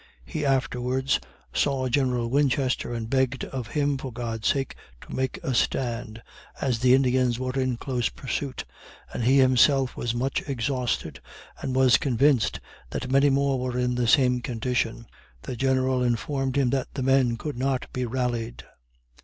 He afterwards saw General Winchester, and begged of him for God's sake to make a stand, as the Indians were in close pursuit, and he himself was much exhausted, and was convinced that many more were in the same condition. The General informed him that the men could not be rallied.